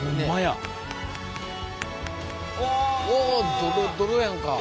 おドロドロやんか。